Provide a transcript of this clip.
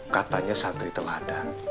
katanya santri telah ada